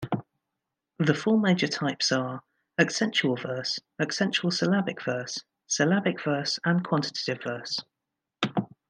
The four major types are: accentual verse, accentual-syllabic verse, syllabic verse and quantitative verse.